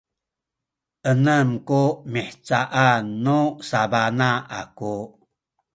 enem ku mihcaan nu sabana aku